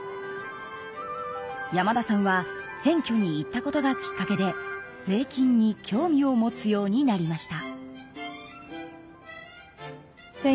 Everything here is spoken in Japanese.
山田さんは選挙に行ったことがきっかけで税金に興味を持つようになりました。